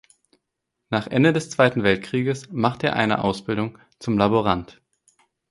Nach Ende des Zweiten Weltkrieges machte er eine Ausbildung zum Laborant.